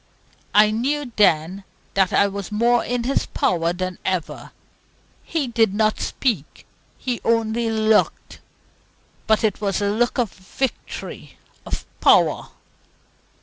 I knew then that I was more in his power than ever. He did not speak he only looked; but it was a look of victory, of power.